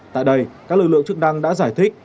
tại đây các lực lượng chức năng đã giải thích